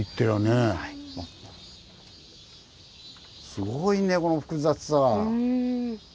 すごいねこの複雑さは。